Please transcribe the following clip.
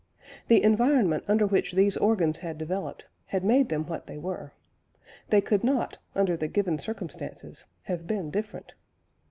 The environment under which these organs had developed had made them what they were; they could not, under the given circumstances, have been different.